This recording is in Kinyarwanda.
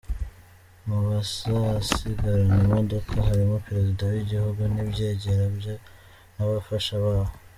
Mubazasigarana imodoka harimo Perezida w’Igihugu n’ibyegera bye n’abafasha babo.